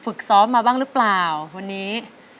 ฝึกซ้อมมาบ้างหรือเปล่าวันนี้